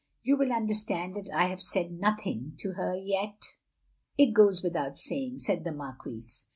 "You will understand that I have said nothing to her yet. "It goes without saying, " said the Marquise.